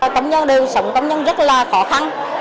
công nhân đều sống công nhân rất là khó khăn